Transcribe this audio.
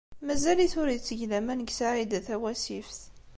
Mazal-it ur itteg laman deg Saɛida Tawasift.